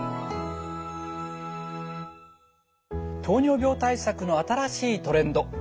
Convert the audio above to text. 糖尿病対策の新しいトレンド